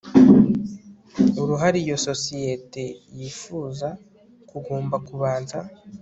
uruhare iyo sosiyete yifuza kugomba kubanza